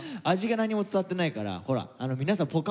味が何も伝わってないからほら皆さん